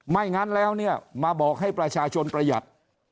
งั้นแล้วเนี่ยมาบอกให้ประชาชนประหยัด